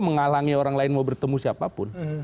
menghalangi orang lain mau bertemu siapapun